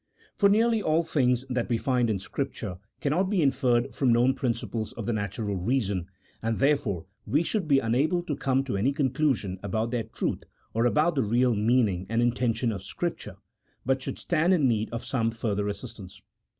For nearly all things that we find in Scripture cannot be inferred from known principles of the natural reason, and, therefore, we should be unable to come to any conclusion about their truth, or about the real meaning and intention of Scripture, but should stand in need of some further assistance.